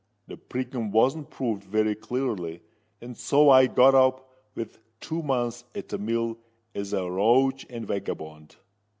"The prigging wasn't proved very clearly, and so I got off with two months at the mill as a rogue and vagabond.